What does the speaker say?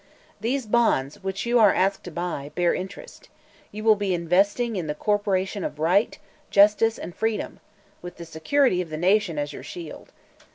These bonds, which you are asked to buy, bear interest; you will be investing in the Corporation of Right, Justice and Freedom, with the security of the Nation as your shield.